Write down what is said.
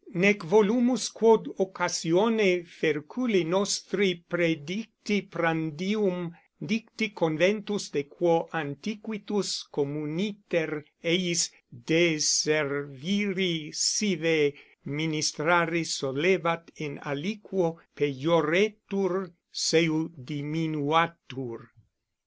Nec volumus quod occasione ferculi nostri predicti prandium dicti Conventus de quo antiquitus communiter eis deserviri sive ministrari solebat in aliquo pejoretur seu diminuatur.